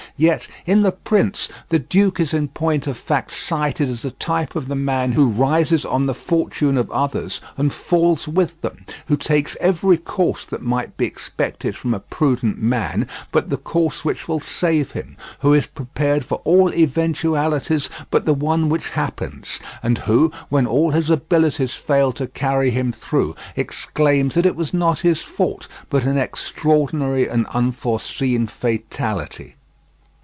Yet in The Prince the duke is in point of fact cited as a type of the man who rises on the fortune of others, and falls with them; who takes every course that might be expected from a prudent man but the course which will save him; who is prepared for all eventualities but the one which happens; and who, when all his abilities fail to carry him through, exclaims that it was not his fault, but an extraordinary and unforeseen fatality.